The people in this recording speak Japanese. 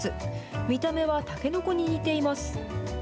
見た目はタケノコに似ています。